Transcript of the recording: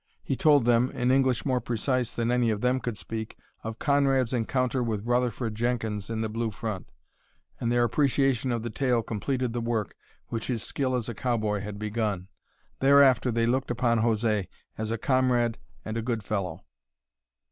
He told them, in English more precise than any of them could speak, of Conrad's encounter with Rutherford Jenkins in the Blue Front, and their appreciation of the tale completed the work which his skill as a cowboy had begun. Thereafter they looked upon José as a comrade and a good fellow.